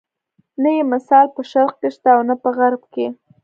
نه یې مثال په شرق کې شته او نه په غرب کې.